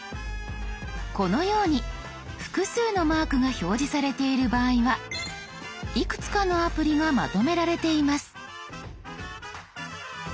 このように複数のマークが表示されている場合はいくつかのアプリがまとめられています。